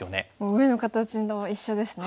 上の形と一緒ですね。